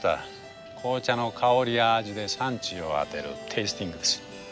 紅茶の香りや味で産地を当てるテイスティングです。